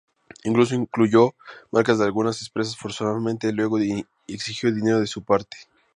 Incluso incluyó marcas de algunas empresas forzosamente y luego exigió dinero de su parte.